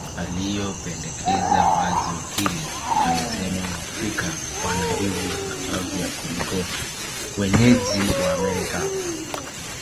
Waliopendekeza wazo hili walisema Waafrika wana nguvu na afya kuliko wenyeji wa Amerika